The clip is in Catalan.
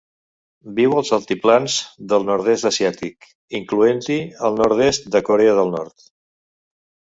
Viu als altiplans del nord-est asiàtic, incloent-hi el nord-est de Corea del Nord.